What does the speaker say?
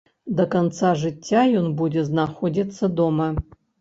Да канца жыцця ён будзе знаходзіцца дома.